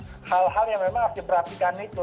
ada hal hal yang memang harus diperhatikan itu